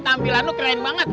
tampilan lu keren banget